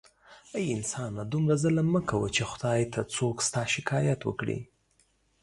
اې انسانه دومره ظلم مه کوه چې خدای ته څوک ستا شکایت وکړي